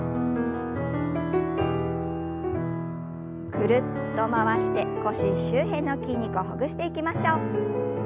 ぐるっと回して腰周辺の筋肉をほぐしていきましょう。